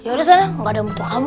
yaudah saya gak ada yang butuh kamu